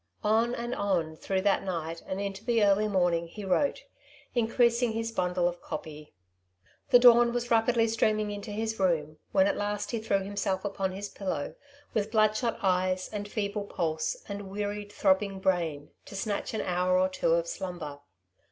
^' On, on through that night, and into the early morning he wrote, increasing his. bundle of copy. I 174 " Two Sides to every Question.*^ The dawn was rapidly streaming into lis room, when at last he threw himself upon his pillow, with blood shot eyes, and feeble pulse, and wearied throbbing brain, to snatch an hour or two of slumber.